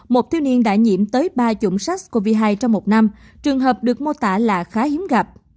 một thiếu niên đã nhiễm tới ba chủng sars cov hai trong một năm trường hợp được mô tả là khá hiếm gặp